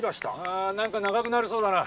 あ何か長くなりそうだな。